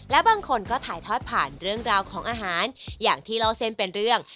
และบางคนก็ถ่ายทอดผ่านเรื่องราวของอาหารอย่างที่เล่าเส้นเป็นเรื่อง